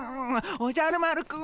おじゃる丸くん。